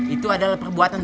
itu adalah perbuatan